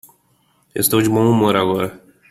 Estou de bom humor agora.